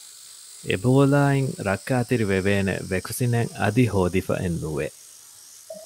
އެބޯލާއިން ރައްކާތެރިވެވޭނެ ވެކުސިނެއް އަދި ހޯދިފައެއް ނުވެ